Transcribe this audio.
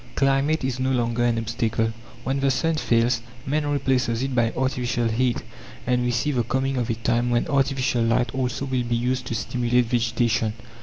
Climate is no longer an obstacle. When the sun fails, man replaces it by artificial heat; and we see the coming of a time when artificial light also will be used to stimulate vegetation.